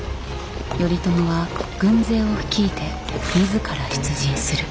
頼朝は軍勢を率いて自ら出陣する。